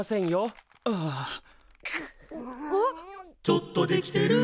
「ちょっとできてる」